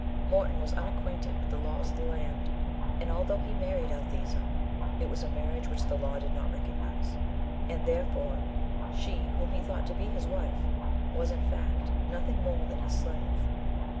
Morton was unacquainted with the laws of the land; and although he had married Althesa, it was a marriage which the law did not recognise; and therefore she whom he thought to be his wife was, in fact, nothing more than his slave.